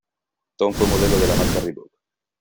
Tom fue modelo de la marca Reebok.